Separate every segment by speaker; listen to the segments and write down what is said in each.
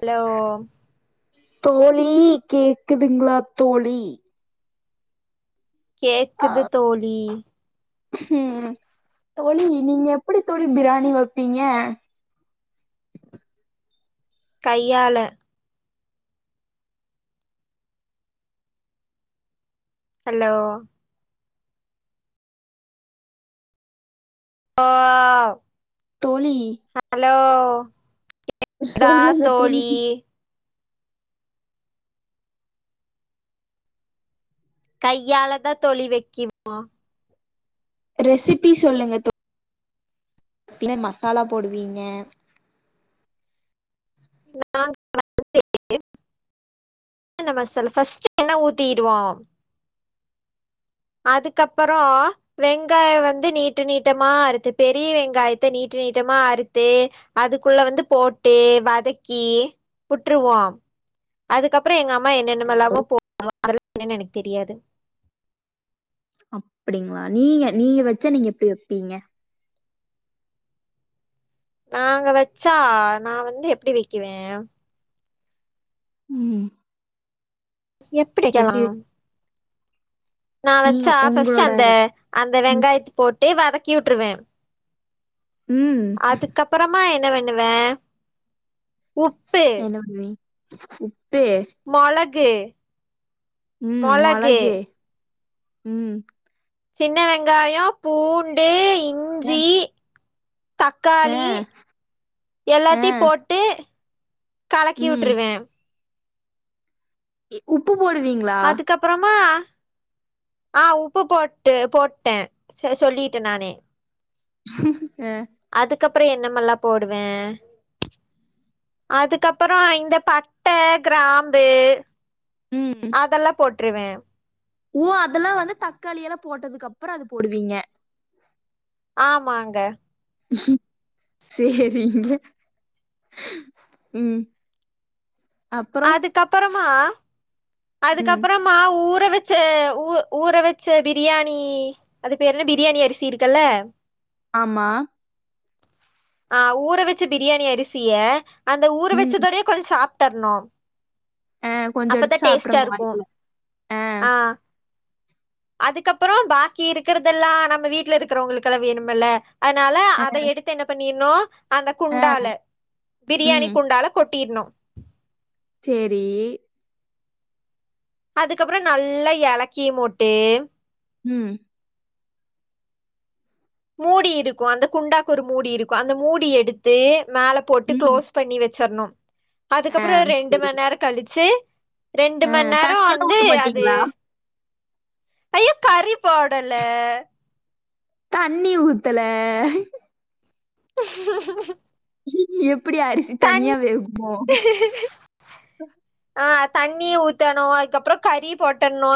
Speaker 1: Hello
Speaker 2: தோழி கேக்குதுங்களா தோழி அ
Speaker 1: கேக்குது தோழி
Speaker 2: ம் தோழி நீங்க எப்படி தோழி பிரியாணி வப்பீங்க
Speaker 1: கையால ஹலோ வாவ்
Speaker 2: தோழி
Speaker 1: ஹலோ கேக்குதா தோழி கையாலதா தோழி வெக்கிவோ
Speaker 2: ரெசிபி சொல்லுங்க தோ மசாலா போடுவீங்க
Speaker 1: நான் வந்து என்னம்மா சொல்ல ஃபர்ஸ்டு எண்ண ஊத்திருவோ அதுக்கப்பறோ வெங்காயோ வந்து நீட்ட நீட்டமா அறுத்து பெரிய வெங்காயத்த நீட்ட நீட்டமா அறுத்து அதுக்குள்ள வந்து போட்டு வதக்கி விட்ருவோ அதுக்கப்றோ எங்க அம்மா
Speaker 2: ஹலோ
Speaker 1: என்னென்னெமுஎல்லாமு போடுவாங்க அதெல்லா என்னன்னு எனக்கு தெரியாது
Speaker 2: அப்டிங்களா நீங்க நீங்க வெச்சா நீங்க எப்டி வெப்பீங்க
Speaker 1: நாங்க வெச்சா நா வந்து எப்டி வெக்குவே
Speaker 2: ம்
Speaker 1: எப்டி வைக்கலா நா
Speaker 2: நீங்க
Speaker 1: வெச்சா ஃபஸ்ட்
Speaker 2: உங்களோட
Speaker 1: அந்த அந்த
Speaker 2: ம்
Speaker 1: வெங்காயத்த போட்டு வதக்கி விட்ருவ
Speaker 2: ம்
Speaker 1: அதுக்கப் ப்றமா என்ன பண்ணுவே உப்பு
Speaker 2: உப்பு
Speaker 1: மொளகு
Speaker 2: ம் மொளகு ம்
Speaker 1: சின்ன வெங்காயோ பூண்டு இஞ்சி
Speaker 2: அ
Speaker 1: தக்காளி
Speaker 2: அ
Speaker 1: எல்லாத்தியு போட்டு கலக்கி
Speaker 2: ம்
Speaker 1: உட்ருவ
Speaker 2: உப்பு போடுவீங்க
Speaker 1: அதுக்கப் ப்றமா ஆ உப்பு போட்டு போட்ட சொல்லிட்ட நானே
Speaker 2: அ
Speaker 1: அதுக்கப்றோ என்னமெல்லா போடுவே அதுக்கப்பறோ இந்த பட்ட கிராம்பு
Speaker 2: ம் ம்
Speaker 1: அதெல்லா போட்ருவே
Speaker 2: ஓ அதெல்லா வந்து தக்காளி எல்லா போட்டதுக்கு அப்புறோ அது போடுவீங்க
Speaker 1: ஆமாங்க
Speaker 2: சேரிங்க ம் அப்றோ
Speaker 1: அப்பறமா
Speaker 2: ம்.
Speaker 1: அதுக்கப்பறமா ஊற வெச்ச ஊ ஊற வெச்ச பிரியாணி அது பேர் என்ன பிரியாணி அரிசி இருக்குல்ல
Speaker 2: ஆமா
Speaker 1: ஆ ஊற வெச்ச பிரியாணி அரிசிய அந்த ஊற
Speaker 2: ம்.
Speaker 1: வெச்சதுடைய கொஞ்ச சாப்டர்ணு
Speaker 2: ஆ கொஞ்ச எடுத்து சாப்டற்னு
Speaker 1: இருக்கு
Speaker 2: அதுவு ஆ
Speaker 1: அதுக்கப்புறோ பாக்கி இருக்கிறதெல்லா நம்ம வீட்ல இருக்குற வங்களுக்கு எல்லா வேணுமில்ல அதனால
Speaker 2: ஆ,
Speaker 1: அத எடுத் து என்ன பண்ணிருணு அந்த
Speaker 2: ஆ.
Speaker 1: குண்டால
Speaker 2: ம்.
Speaker 1: பிரியாணி
Speaker 2: ம்.
Speaker 1: குண்டால கொட்டிருணு
Speaker 2: சேரி
Speaker 1: அதுக்கப்புறோ நல்லா எலக்கி மோட்டு
Speaker 2: ம்
Speaker 1: மூடி இருக்கு அந்த குண்டாக்கு ஒரு மூடி இருக்கு அந்த மூடி எடுத்து மேல போட்டு
Speaker 2: ம்.
Speaker 1: க்ளோஸ் பண்ணி வெச்சரணு
Speaker 2: ஆ
Speaker 1: அதுக்கப்புறோ ரெண்டு
Speaker 2: சரி.
Speaker 1: மணி நேர கழிச்சு ரெண்டு
Speaker 2: ஆ
Speaker 1: மணி நேர
Speaker 2: தண்ணியெல்லாம்
Speaker 1: வந்து
Speaker 2: ஊத்த
Speaker 1: அது
Speaker 2: மாட்டீங்களா?
Speaker 1: ஐயோ கறி போடல
Speaker 2: தண்ணி ஊத்தல எப்புடி அரிசி தனியா வேகுமோ
Speaker 1: ஆ தண்ணி ஊத்தணு அதுக்கப்புறோ கறி போட்டணு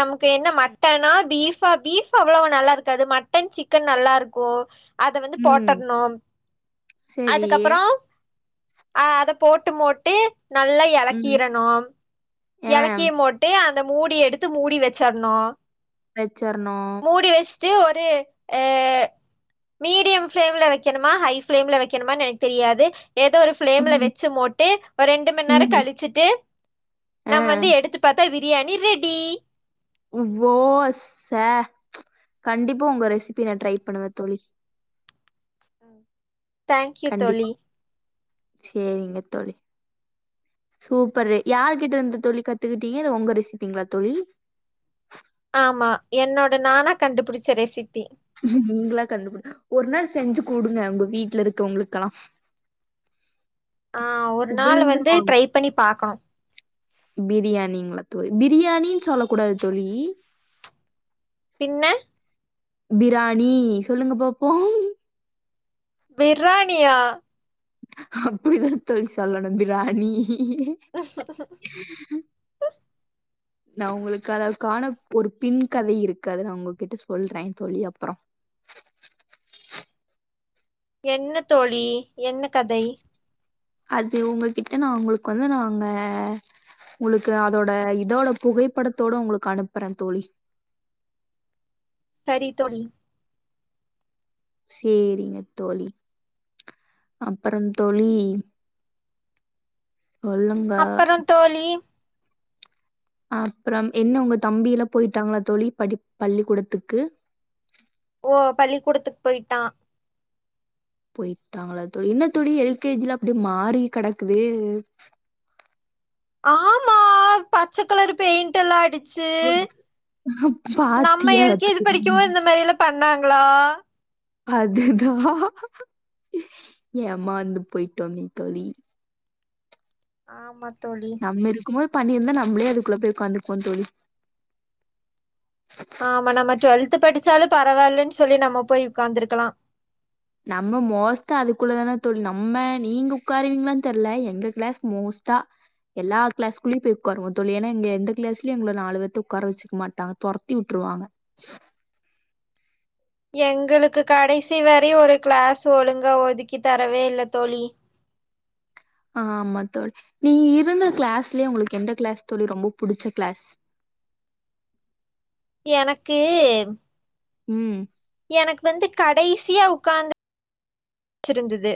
Speaker 1: நமக்கு என்ன ம ட்டனா பீஃபா பீஃப் அவ்ளவு நல்லா இருக்காது மட்டன் சிக்கன் நல்லா இருக்கு அத வந்து
Speaker 2: ம்.
Speaker 1: போட்டட்ணு
Speaker 2: சரி.
Speaker 1: அதுக்கப்புறோ அஹ் அத போட்டு மோட்டு நல்லா
Speaker 2: ம்.
Speaker 1: எலக்கிறணு
Speaker 2: ஆ
Speaker 1: எலக்கி மோட்டு அந்த மூடி எடுத்து மூடி வெச்சட்ணு
Speaker 2: வெச்சர்ணு
Speaker 1: மூடி வெச்ட்டு ஒரு ஆ மீடியம் ஃபிளேம்ல வைக்கணுமா ஹைய் ஃபிளேம்ல வைக்கணுமானு எனக்கு தெரியாது ஏதோ ஒரு ஃப்ளேம்ல்
Speaker 2: ம்,
Speaker 1: வெச்சு மோட்டு ஒரு ரெண்டு மணி நேர
Speaker 2: ம்.
Speaker 1: கழிச்சிட்டு நம்ம
Speaker 2: ஆ.
Speaker 1: வந்து எடுத்து பாத்தா பிரியாணி ரெடி
Speaker 2: வோ சே கண்டிப்பா உங்க ரெசிபி நா ட்ரை பண்ணுவே தோழி
Speaker 1: தேங்க்யூ தோழி
Speaker 2: சேரிங்க தோழி சூப்பரு யாரு கிட்ட இருந்து தோழி கத்துக்கிட்டீங்க இத ஒங்க ரெசிபிங்களா தோழி
Speaker 1: ஆமா என்னோட நானா கண்டுபிடிச்ச ரெசிபி
Speaker 2: நீங்களா கண்டுபிடி ஒரு நாள் செஞ்சு குடுங்க உங்க வீட்ல இருக்கவங்களுக்கெல்லா
Speaker 1: ஆ ஒரு நாள் வந்து
Speaker 2: புகழ்ந்துருவாங்க
Speaker 1: ட்ரை பண்ணி பாக்கணு
Speaker 2: பிரியாணிங்ளா தோழி பிரியாணின்னு சொல்ல கூடாது தோழி
Speaker 1: பின்ன
Speaker 2: பிராணி சொல்லுங்க பாப்போ
Speaker 1: பிர்ராணியா
Speaker 2: அப்டிதான தோழி சொல்லணு பிராணி
Speaker 1: [unintelligible]
Speaker 2: நா உங்களுக்கு அதற்கான ஒரு பின் கதை இருக்கு அது நா உங்ககிட்ட சொல்றே தோழி அப்புறோ
Speaker 1: என்ன தோழி என்ன கதை
Speaker 2: அது உங்கள்கிட்ட நா உங்களுக்கு வந்து நாங்க உங்களுக்கு அதோட இதோட புகைப்படத்தோட உங்களுக்கு அனுப்புற தோழி.
Speaker 1: சரி தோழி
Speaker 2: சேரிங்க தோழி அப்பறோ தோழி. கொல்லுங்க
Speaker 1: அப்பறோ தோழி
Speaker 2: அப்றம் என்ன ஒங்க தம்பி எல்லா போயிட்டாங்களா தோழி படிப் பள்ளிக்கூடத்துக்கு
Speaker 1: ஓ பள்ளிக்கூடத்துக்கு போய்ட்டா
Speaker 2: போயிட்டாங்களா தோழ என்ன தோழி எல்கேஜிலா அப்டியே மாறி கெடக்குது.
Speaker 1: ஆம்மா பச்சக் கலரு பெய்ண் டல்லா அடிச்சு நம்ம
Speaker 2: பாத்தியா
Speaker 1: எல்கேஜி
Speaker 2: தோழி?
Speaker 1: படிக்கும்போது இந்த மாரி எல்லாம் பண்ணாங்ளா
Speaker 2: அதேதா ஏமாந்து போயிட்டோமே தோழி.
Speaker 1: ஆமாத்தோழி
Speaker 2: நம்ம இருக்கும் போது பண்ணிருந்தா நம்மளே அதுக்குள்ள போய் உக்காந்து இருப்போ தோழி.
Speaker 1: ஆமா நம்ம டுவல்த் படிச்சாலு பரவாயில்லன் சொல்லி நம்ம போய் உக்காந்துருக்கலா
Speaker 2: நம்ம மோஸ்தா அதுக்குள்ளதானே தோழி நம்ம நீங்க உக்காருவீங்களானு தெர்ல எங்க கிளாஸ் மோஸ்தா. எல்லா கிளாஸ்குள்ளயு போய் உக்காருவோ தோழி ஏனா இங்க எந்த கிளாஸ்லயு எங்கள நாலு பேத்த உக்கார வச்சுக்க மாட்டாங்க தொரத்தி வுட்டுருவாங்க
Speaker 1: எங்களுக்கு கடைசி வரயு ஒரு கிளாஸ் ஒழுங்கா ஒதுக்கி தரவே இல்ல தோழி.
Speaker 2: ஆமா தோழி நீ இருந்த க்ளாஸ்லயே உங்களுக்கு எந்த கிளாஸ் தோழி ரொம்ப புடிச்ச கிளாஸ்.
Speaker 1: எனக்கு
Speaker 2: ம்
Speaker 1: எனக்கு வந்து கடைசியாக உக்காந்து [inaudible] ச்சிருந்தது.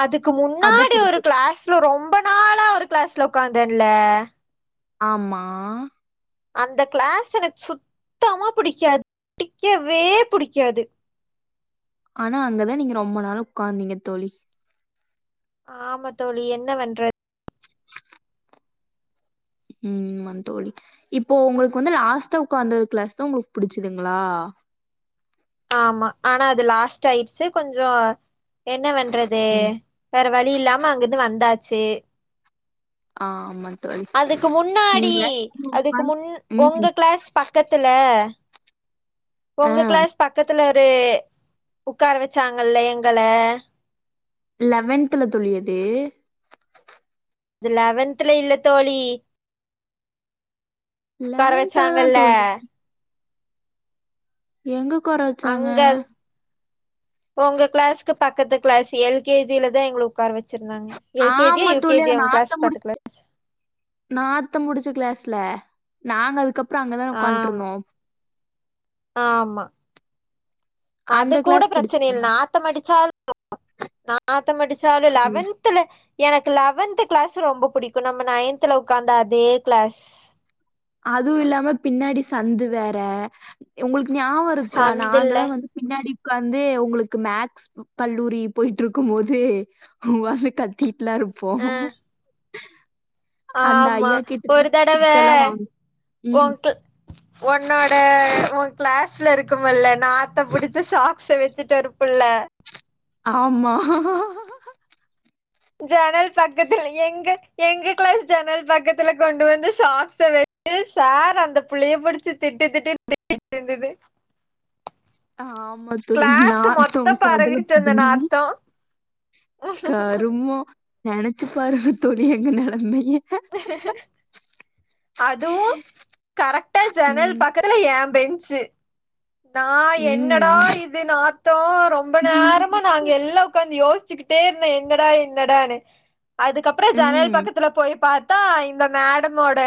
Speaker 1: அதுக்கு
Speaker 2: அதான்
Speaker 1: முன்னாடி ஒரு
Speaker 2: புடிச்சது.
Speaker 1: கிளாஸ்ல ரொம்ப நாளா ஒரு கிளாஸ்ல உக்காந்தேன்ல.
Speaker 2: ஆம்மா
Speaker 1: அந்த க்ளாஸ் எனக்கு சுத்தமா புடிக்காது புடிக்கவே புடிக்காது.
Speaker 2: ஆனா அங்கதா நீங்க ரொம்ப நாளா உக்காந்தீங்க தோழி.
Speaker 1: ஆமா தோழி என்ன வண்றத்
Speaker 2: ம் வந் தோழி இப்போ உங்களுக்கு வந்து லாஸ்ட்டா உக்காந்தது கிளாஸ் தா உங்களுக்கு புடிச்சிதுங்ளா.
Speaker 1: ஆமா ஆனா அது லாஸ்ட்டா ஆயிருச்சு கொஞ்சோ என்ன வண்றது.
Speaker 2: ம்.
Speaker 1: வேற வழி இல்லாம அங்கிந்து வந்தாச்சு.
Speaker 2: ஆமன்
Speaker 1: அதுக்கு முன்னாடி அதுக்கு
Speaker 2: உட்காந்து
Speaker 1: முன் உங்க
Speaker 2: ம்.
Speaker 1: கிளாஸ். பக்கத்துல உங்க
Speaker 2: ஆ.
Speaker 1: கிளாஸ் பக்கத்துல இர் ந்து உக்கார வச்சாங்கல எங்கள
Speaker 2: லெவன்த்துல தோழி அது
Speaker 1: அது லெவன்த்துல இல்ல தோழி. உக்கார
Speaker 2: லெவன்த்ல தான்
Speaker 1: வெச்சாங்கல்ல
Speaker 2: தோழி எங்க உக்கார வச்சாங்க
Speaker 1: ஒங்க கிளாஸ்க்கு பக்கத்து கிளாஸு எல் கே ஜி லத எங்ள உக்கார வச் சிருந்தாங்க எல் கே ஜி யா
Speaker 2: ஆமா
Speaker 1: யூ கே ஜி யா உங்க கிளாஸ்கு பக்கத்ல
Speaker 2: நாத்தம் புடுச்ச கிளாஸ்ல நாங்க அதுக்கப்றொ அங்கதான
Speaker 1: ஆமா
Speaker 2: உக்காந்ட்ருந்தோ
Speaker 1: ஆமா அது
Speaker 2: அந்த
Speaker 1: கூட
Speaker 2: கிளாஸ்
Speaker 1: ப்ரச்சன இல்ல
Speaker 2: பிடிச்சிருந்தா
Speaker 1: நாத்தமடுச்சாலு நாத்தமடுச்சாலு லெவன் த்ல எனக்கு லவென்த் கிளாஸ் ரொம்ப புடிக்கு நம்ம நயன்த்ல உக்காந்த அதே கிளாஸ்
Speaker 2: அதுவு இல்லாம பின்னாடி சந்து வேற உங்களுக்கு நியாவொ இருக்கா
Speaker 1: சந்தில்ல
Speaker 2: நாங்களா வந்து பின்னாடி உக்காந்து உங்களுக்கு மேக்ஸ் கல்லூரி போய்ட்டு இருக்கும் போது அவுங்க வந்து கத் திட்லா இருப்போ
Speaker 1: ஆ ஆமா ஒரு தடவ
Speaker 2: வாங்க ம்
Speaker 1: ஒங் கிள் ஒன்னோட ஓ கிளாஸ் ஸ்ல இருக்குமல்ல நாத்தம் புடுச்ச சாக்ஸ வெச்சுட்டு ஒரு புள்ள
Speaker 2: ஆமா
Speaker 1: ஜனல் பக்கத்துல எங்க எங்க கிளாஸ் ஜன்னல் பக்கத்துல கொண்டு வந்து சாக்ஸ வ [inaudible] சார் அந்த புள்ளய புடுச்சு திட்டு திட்டுனு திட்டிட்டு இர்ந்தது
Speaker 2: ஆமா தோழி
Speaker 1: கிளாஸ்
Speaker 2: நாத்தொ
Speaker 1: மொத்த
Speaker 2: கொடல
Speaker 1: பரவிருச்சு அந்த
Speaker 2: புடுங்கி
Speaker 1: நாத்தோ
Speaker 2: கருமொ நெனச்சு பாருங்க தோழி எங்க நெலமைய
Speaker 1: அதுவு கரெக்டா ஜன்னல்
Speaker 2: ம்.
Speaker 1: பக்கத் ல எ பெஞ்சு நா என்னடா
Speaker 2: ம்.
Speaker 1: இது இது நாத்தொ ரொம்ப
Speaker 2: ம்.
Speaker 1: நேரமா நாங்க எல்லா உக்காந்து யோச்சுகிட்டே இருந்தே என்னடா என்னடானு அதுக்கப்றொ ஜன்னல் பக்கத்துல போய் பாத்தா இந்த மேடமோட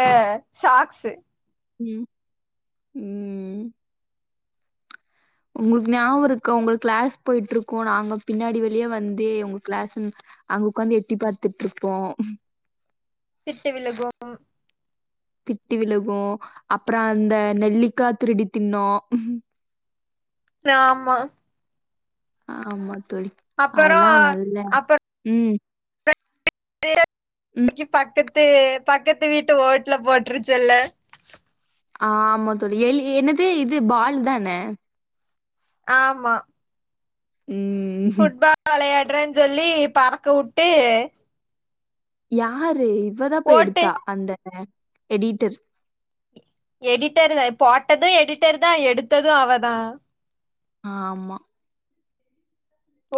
Speaker 1: சாக்ஸு
Speaker 2: ம் ம் உங்ளுக்கு ஞாபொ இருக்க ஒங்களுக் கிளாஸ் போயிட்டு இருக்கு நாங்க பின்னாடி வெளியே வந்து உங்க கிளாஸ்னு அங்க உக்காந்து எட்டி பாத்துட் இருப்போ
Speaker 1: திட்டு விழுகும்
Speaker 2: திட்டு விழுகு அப்றொ அந்த நெல்லிக்கா திருடி திண்ணோ
Speaker 1: ஆமா
Speaker 2: ஆமா தோழி
Speaker 1: அப்பறோ
Speaker 2: அதல்லா நல்ல
Speaker 1: அப்பறோ
Speaker 2: ம் ம்.
Speaker 1: [inaudible] பக்கத்து பக்கத்து வீட்டு ஓட்ல போட்ருச்சல்ல
Speaker 2: ஆமா தோழி எல் என்னது இது பால் தான
Speaker 1: ஆமா
Speaker 2: ம்
Speaker 1: ஃபுட்பால் வெளயாடுறேன் சொல்லி பறக்க வுட்டு
Speaker 2: யாரு இவதா போய்
Speaker 1: ஓட்டு
Speaker 2: எடுத்தா அந்த எடிட்டர்
Speaker 1: எடிட்டர் த போட்டது எடிட்டர் தா எடுத்தது அவதா
Speaker 2: ஆமா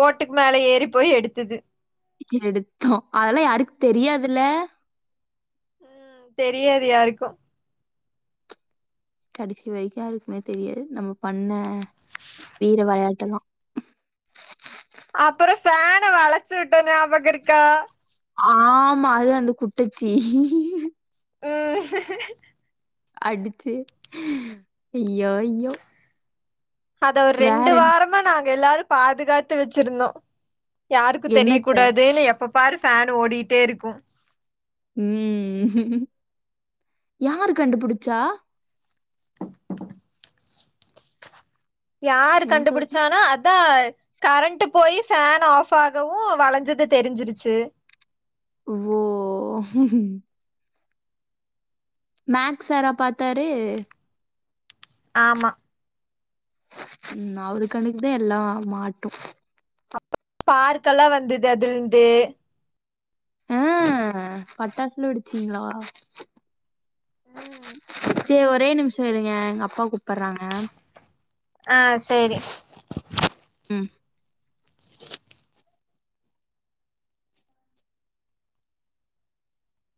Speaker 1: ஓட்டுக்கு மேல ஏறி போய் எடுத்தது
Speaker 2: எடுத்தோ அதலா யாருக்கு தெரியாதுல
Speaker 1: ம் தெரியாது யாருக்கு
Speaker 2: கடசி வரிக்கு யாருக்குமே தெரியாது நம்ம பண்ண வீர வெளயாட்டல்லா
Speaker 1: அப்பறொ ஃபேன வளச்சுவுட்டொ ஞாபக இருக்கா
Speaker 2: ஆமா அது அந்த குட்டச்சி
Speaker 1: ம்
Speaker 2: அடிச்சு ஐயோ ஐயோ
Speaker 1: அத ஒரு
Speaker 2: வேற
Speaker 1: ரெண்டு
Speaker 2: என்ன
Speaker 1: வாரமா நாங்க எல்லாரு பாதுகாத்து வச்ருந்தோ யாருக்கு தெரிய
Speaker 2: என்னத்த?
Speaker 1: கூடாதுன்னு எப்ப பாரு ஃபேன் ஓடிட்டேருக்கு
Speaker 2: ம் யாரு கண்டுபுடிச்சா
Speaker 1: யாரு
Speaker 2: என் தோழி.
Speaker 1: கண்டுபிடிச்சானா அதா கரண்ட் போய் ஃபேன் ஆஃப் ஆகவு வளஞ்சது தெரிஞ்சிருச்சு
Speaker 2: ஓ மேக்ஸ் சார் ஆ பாத்தாரு
Speaker 1: ஆமா
Speaker 2: ம் அவரு கண்ணுகு தா எல்லா மாட்டு
Speaker 1: பார்க்கெல்லா வந்தது அதுலருந்து
Speaker 2: ஆ பட்டாசெல்லா வெடிச்சீங்களா
Speaker 1: ம்
Speaker 2: சேர் ஒரே நிமிஷோ இருங்க எங்க அப்பா கூப்பட்றாங்க
Speaker 1: ஆ சேரி
Speaker 2: ம்